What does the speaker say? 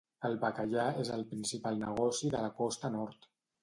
El bacallà és el principal negoci de la costa nord.